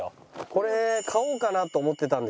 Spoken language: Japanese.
これ買おうかなと思ってたんですよ